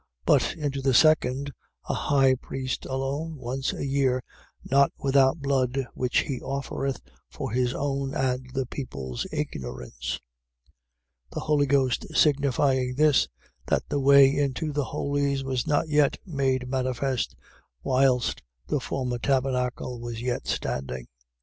9:7. But into the second, the high priest alone, once a year: not without blood, which he offereth for his own and the people's ignorance: 9:8. The Holy Ghost signifying this: That the way into the Holies was not yet made manifest, whilst the former tabernacle was yet standing. 9:9.